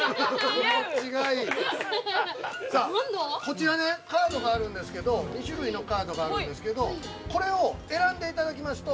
◆こちらカードがあるんですけど、２種類のカードがあるんですけど、これを選んでいただきますと、